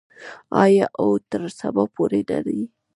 آیا او تر سبا پورې نه دی؟